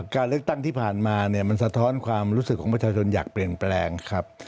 การเลือกตั้งที่ผ่านมาเนี่ยมันสะท้อนความรู้สึกของประชาชนอยากเปลี่ยนแปลงครับ